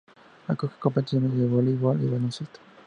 Acoge competiciones de voleibol y baloncesto.